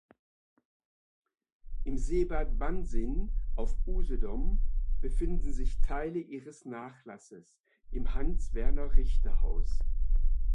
Im Seebad Bansin auf Usedom befinden sich Teile ihres Nachlasses im Hans-Werner-Richter-Haus.